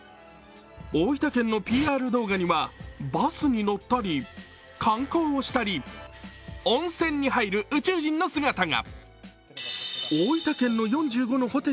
大分県のＰＲ動画にはバスに乗ったり、観光をしたり温泉に入る宇宙人の姿が。